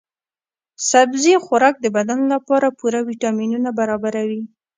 سبزي خوراک د بدن لپاره پوره ويټامینونه برابروي.